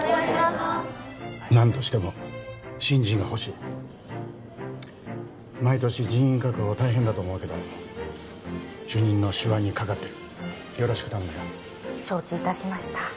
何としても新人がほしい毎年人員確保大変だと思うけど主任の手腕にかかってるよろしく頼むよ承知いたしました